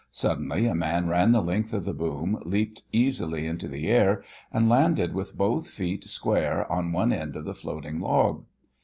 Suddenly a man ran the length of the boom, leaped easily into the air, and landed with both feet square on one end of the floating log.